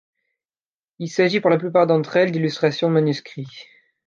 Il s'agit pour la plupart d'entre elles d'illustrations de manuscrits.